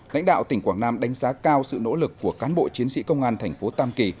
lãnh đạo tỉnh quảng nam đánh giá cao sự nỗ lực của cán bộ chiến sĩ công an thành phố tam kỳ